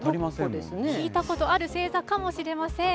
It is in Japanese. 聞いたことある星座かもしれません。